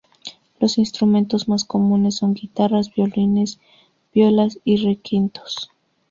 Los instrumentos más comunes son guitarras, violines, violas y re-quintos.